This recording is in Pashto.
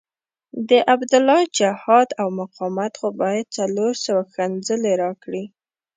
د عبدالله جهاد او مقاومت خو باید څلور سوه ښکنځلې راکړي.